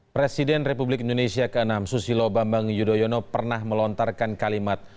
presiden republik indonesia ke enam susilo bambang yudhoyono pernah melontarkan kalimat